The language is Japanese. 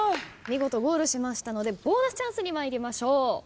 見事ゴールしましたのでボーナスチャンスに参りましょう。